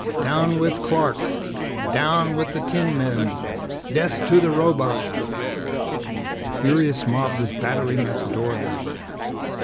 "DOWN WITH CLARK! DOWN WITH THE TIN MEN! DEATH TO THE ROBOT LOVERS!" The furious mob was battering at the door now.